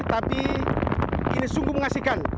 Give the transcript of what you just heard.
tapi ini sungguh mengasihkan